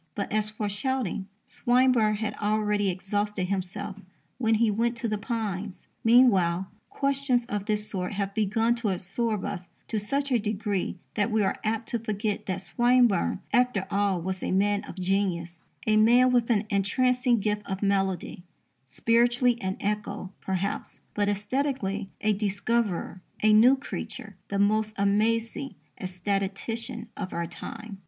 But, as for shouting, Swinburne had already exhausted himself when he went to the Pines. Meanwhile, questions of this sort have begun to absorb us to such a degree that we are apt to forget that Swinburne after all was a man of genius a man with an entrancing gift of melody spiritually an echo, perhaps, but aesthetically a discoverer, a new creature, the most amazing ecstatician of our time.